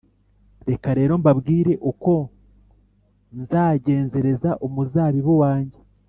Reka rero mbabwire uko nzagenzereza umuzabibu wanjye: